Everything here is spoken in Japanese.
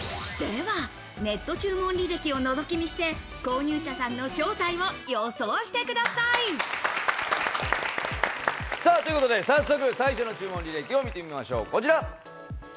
では、ネット注文履歴を覗き見して、購入者さんの正体を予想してください。ということで、早速最初の注文履歴を見てみましょう、こちら。